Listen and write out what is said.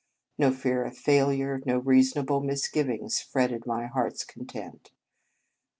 No fear of failure, no reasonable misgivings fretted my heart s content.